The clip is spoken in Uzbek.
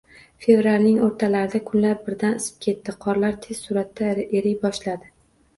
Fevralning o`rtalarida kunlar birdan isib ketdi, qorlar tez sur`atda eriy boshladi